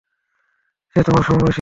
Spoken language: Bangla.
সে তোমার সমবয়সী ছিল।